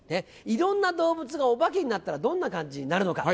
いろんな動物がお化けになったらどんな感じになるのか？